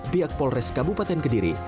pihak polres kabupaten kediri